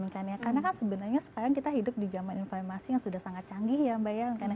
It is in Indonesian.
karena kan sebenarnya sekarang kita hidup di zaman informasi yang sudah sangat canggih ya mbak yel